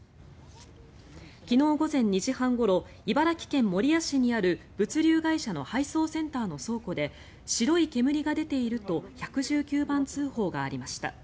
昨日午前２時半ごろ茨城県守谷市にある物流会社の配送センターの倉庫で白い煙が出ていると１１９番通報がありました。